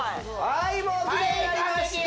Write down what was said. はいもうキレイになりました